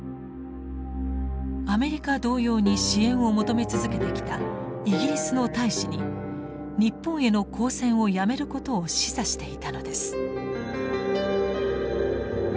アメリカ同様に支援を求め続けてきたイギリスの大使に日本への抗戦をやめることを示唆していたのです。